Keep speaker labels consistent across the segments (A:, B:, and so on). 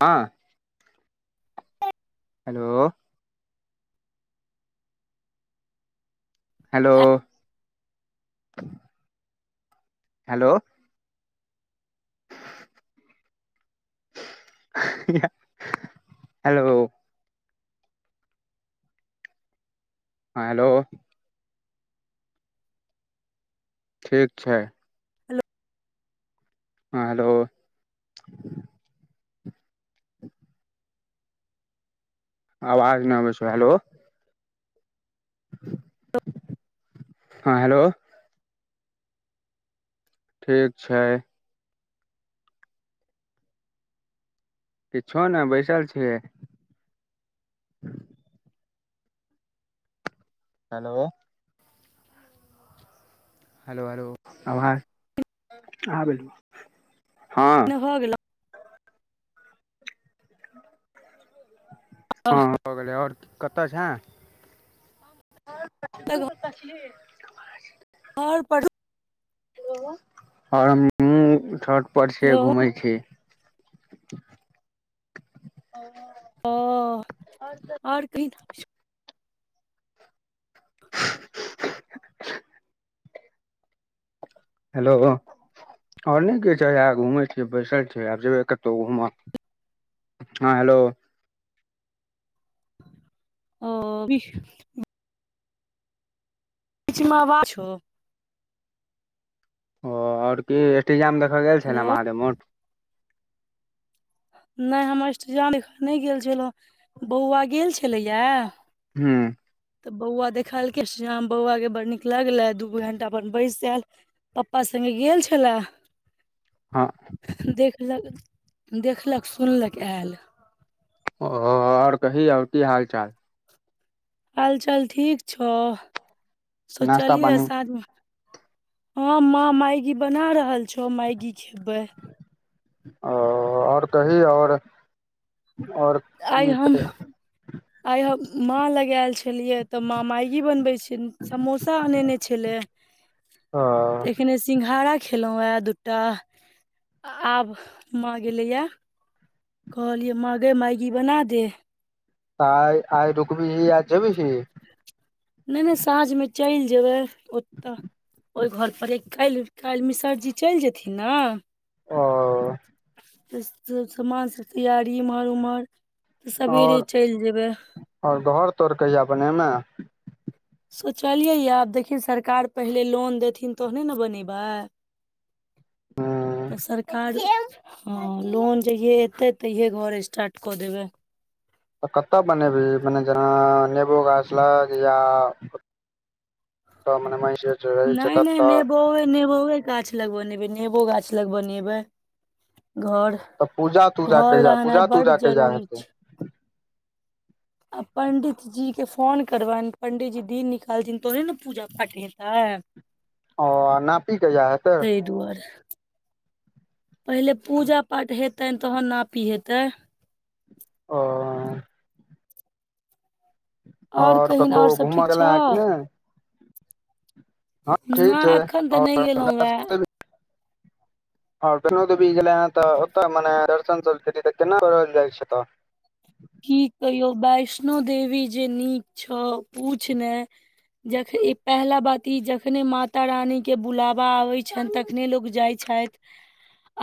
A: हाँ hello hello hello [inaudible] hello हाँ hello ठीक छैय
B: हेलो
A: हाँ हेलो [inaudible] आवाज ना अबै छौ हेलो [inaudible] हाँ हेलो ठीक छैय किछो नै बैसल छियै हेलो हेलो हेलो आवाज आब एलो हाँ
B: हेलो भऽ गेलो [inaudible]
A: भऽ गेलै ओर कतऽ छै [inaudible] तू कत छीह
B: ओर पढ़
A: हालो हमहू छत पर छी
B: हेलो
A: घूमै छी [inaudible]
B: ओ आओर कही किछो
A: [inaudible] हेलो ओर नय के छै घुम छिय बैसल छियै आब जेबै कतहु घूम हँ हेलो
B: [inaudible] [unintelligible]
A: ओ ओर की अष्ठजाम मे देखल गेल छेलै
B: हेलो
A: महादेव मोठ
B: नय हम इष्टजान नय गेल छलहुँ बौआ गेल छलैया
A: हूँ
B: तऽ बौआ देखलक अष्टजाम बौआ के बड़ नीक लगले दू घंटा अपन बैस आल पपा सङ्गे गेल छलए
A: हँ
B: देखलक देखलक सुनलक आयल
A: ओ आओर कही आओर की हाल चाल
B: हाल चाल ठीक छअ
A: नाश्ता
B: सोचलिया
A: पानी
B: साँझमे हँ मां मैगी बना रहल छौ मैगी खेबै
A: ओ आओर कही आओर आओर
B: आइ
A: की
B: हम आइ हम माँ लगएल छलियै तऽ माँ मैगी बनबै छै समोसा अनेने छलै [inaudible]
A: हँ
B: तऽ एखने सिंघाड़ा खेलौ या दूटा आब माँ गेलै या कहलियै मांगै मैगी बना दे
A: त आइ आइ रुकबीही या जेबही
B: नै नै साँझमे चलि जेबै ओतऽ ओई घर पर एक काल्हि काल्हि मिसरजी चलि जेथिन न
A: ओ
B: त सामानसब तैयारी एम्हर ओम्हर तऽ सवेरे
A: आओर
B: चलि जेयबै
A: आओर घर तोर कहिया बनेमां
B: सोचलियै या आब देखिन सरकार पहिले लोन देथिन तहने न बनेबाय तऽ सरकार हँ लोन जहिये एते तैहिये घर स्टार्ट कऽ देबै
A: तऽ कतय बनेबही मने जेना नेबो गाछ लग या तऽ मने [unintelligible]
B: नै नै
A: ततऽ
B: नेबो ए नेबोे वे गाछ लग बनेबै नेबो गाछ लग बनेबै घर
A: तऽ पूजा तूजा
B: घर
A: कहिया पूजा
B: रहनाइ
A: तूजा
B: बड्ड
A: कहिया
B: जरूरी
A: हेतै
B: छै आ पण्डित जी के फोन करबनि पण्डीजी दिन निकालथिनि तोहने न पूजा पाठ हेताई
A: ओ आ नापी कहिया हेतइ
B: ई दुआर पहिले पूजा पाठ हेतैन तहन नापी हेतै
A: ओ
B: आओर
A: ओर
B: कहिन
A: कतौ
B: आओर सब ठीक
A: घूमऽ
B: छौ
A: गेलेंहें कि नै ठीक
B: नय
A: छै
B: एखन तऽ नै गेलौ अए
A: आओर आओर कोनो गेलै ह तऽ ओतऽ मने दर्शन तऽ केना बरल जाइ छै एतऽ [unintelligible]
B: की कहियौ वैष्णो देवी जे नीक छौ पूछनै जख पहीला बात ई जखने माता रानी के बुलावा आवेय छनि तखने लोक जाय छैन हथि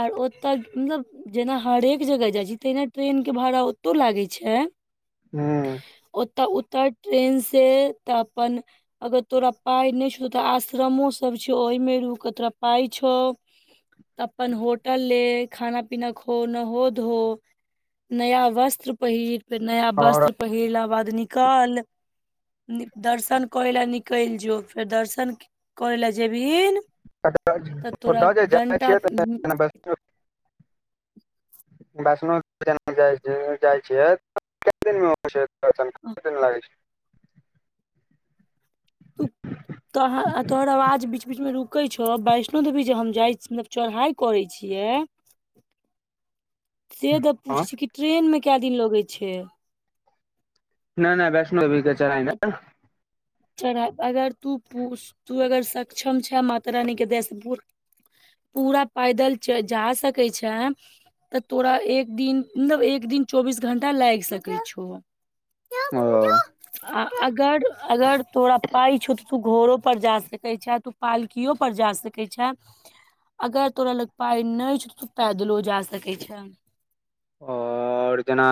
B: आर ओत मतलब जेना हरेक जगह जाय छी, तेना ट्रेन के भाड़ा ओतो लागै छै। छै
A: हूँ
B: ओतऽ उतऽ ट्रेन से तऽ अपन अगर तोरा पाइ नै छौ, तऽ आश्रमोसब छौ, ओहिमे रूक तोरा पाइ छौ। तऽ अपन होटल ले खाना पीना खो नहो धो। नया वस्त्र पहिर फेर नया
A: और
B: वस्त्र पहिरला बाद निकल। दर्शन करै लए निकैल जौ फेर दर्शन करै लए जेबही तऽ तोरा
A: ओतऽ जे जाइ
B: डंटा
A: छियै तऽ जेना वैष्णो वष्णो [inaudible] जेना जाइ छै जाइ छियै [inaudible] कते दिनमे के दिन लागै छै
B: [unintelligible] तोह तोहर आवाज बीच बीच मे रुकै छौ वैष्णो देवी जे हम जाइ मलब चढ़ाई करै छियै से तऽ
A: हँ
B: पूछैत छी कि ट्रेनमे कए दिन लगैत छै
A: नय नय वैष्णोवी के चढ़
B: चढ़ अगर तू तू अगर सक्षम छै माता रानी के देया से पू पूरा पैदल जा सकैत छैय तऽ तोरा एक दिन मतलब एक दिन चौबीस घंटा लैग सकै छौ
A: [unintelligible]
B: आ अगर अगर तोरा पाइ छौ तऽ तू घोड़ोपर जा सकै छहँ, तू पालकिओपर जा सकै छहँ अगर तोरा लग पााय नय छैह, त तो पैदलो जा सकैत छैह
A: आओर जेना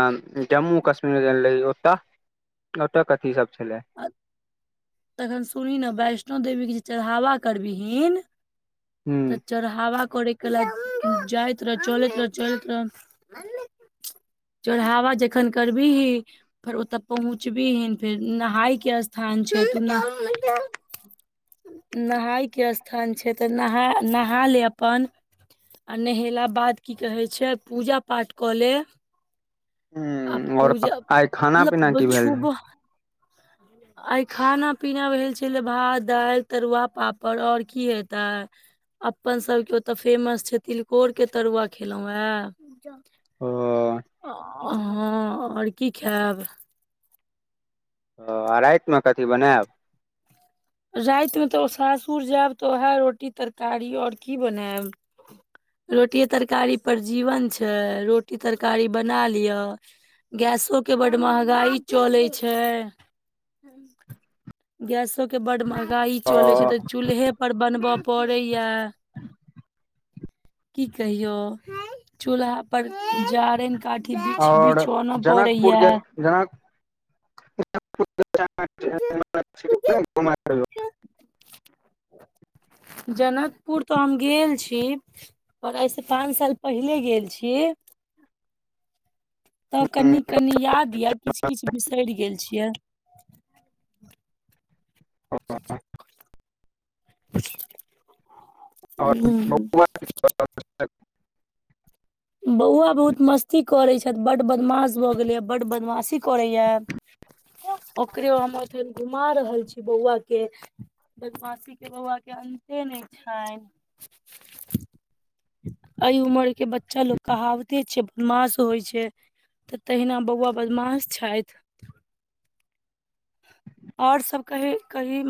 A: जम्मू कश्मीर गेलै ओतय ओत कथी सब छलै
B: तखन सुनी न वैष्णो देवी के जे चढ़ावा करबीहन
A: हूँ
B: तऽ चढ़ावा करय के ल जाइत रह चलैत रह चलैत रह चढ़ावा जखन करबीही फेर ओतऽ पहुँचबी ही फेर नहााय के स्थान छै नहाय के स्थान छै तऽ नहा नहा ले अपन आ नहेला बाद की कहै छै पूजा पाठ कऽ ले आ
A: हूँ और
B: पूजा
A: आइ खाना पीना
B: मतलब
A: की भेल रहै
B: छु आइ खाना पीना भेल छल भात दाइल तरुआ पापड़ ओर की हेतै अपन सभके ओतऽ फेमस छै तिलकोर के तरुआ खेलो हे हँ
A: ओ
B: आ ओर की खायब
A: ओ राइत मे कथी बनायब
B: रात मे तऽ सासुर जायब तऽ उएह रोटी तरकारी ओर की बनायब रोटिए तरकारी पर जीवन छै रोटी तरकारी बना लिअ गैसो के बड्ड महगाई चले छै गैसो के बड महगाई चले छै
A: ओ
B: तऽ चूल्हे पर बनबय पड़ैया की कहियो चूल्हा पर जारैन काट की बिछ
A: और
B: बिछो अन पड़े
A: जनकपुर
B: या
A: [unintelligible] [inaudible]
B: [inaudible] जनकपुर तऽ हम गेल छी पर एहि सँ पाच साल पहिले गेल छियै तऽ
A: कहियौ
B: कनि कनि याद ये किछ किछ बिसरि गेल छी कीय [inaudible]
A: आओर
B: [inaudible]
A: बौआ
B: बौआ बहुत मस्ती करैत छैथ बड बदमाश भऽ गेलैय बड बदमासी करैया ओकरे हम अखैन घुमा रहल छी बौआ के बदमासी के बउआ के अन्ते नय छैन ऐ उमर के बच्चा लोक के कहावते छै मास होइ छै तऽ तहिना बौआ बदमास छैथ ओर सब कही कही